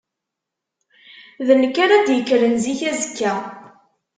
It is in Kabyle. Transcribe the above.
D nekk ara d-yekkren zik azekka.